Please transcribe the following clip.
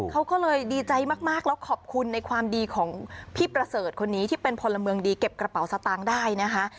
เขาก็เลยดีใจมากแล้วขอบคุณในความดีของพี่ประเสริฐคนนี้ที่เป็นพลเมืองดีเก็บกระเป๋าสตางค์ได้นะคะ